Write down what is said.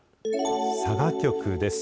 佐賀局です。